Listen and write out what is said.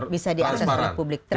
bisa diakses oleh publik terakhir